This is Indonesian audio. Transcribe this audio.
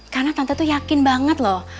karena tante tuh yakin banget loh